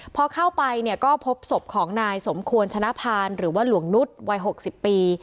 พอเข้าไปก็พบสบของนายสมควรฉนะพานหรือลวงนุษย์วัย๖๐ปี